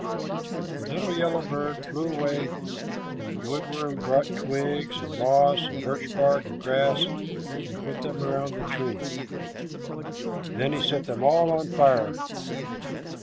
The little yellow bird flew away, and the wood worm brought twigs, and moss, and birch bark, and grass, and put them around the tree. Then he set them all on fire.